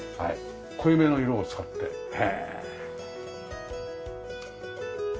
濃いめの色を使ってへえ。